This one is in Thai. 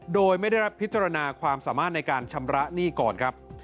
โดยไม่ได้รับพิจารณาความสามารถในการชำระหนี้ก่อนครับ